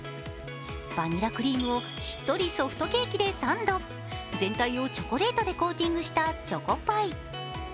バニラクリームをしっとりケーキでサンド、全体をチョコレートでコーティングしたチョコパイ。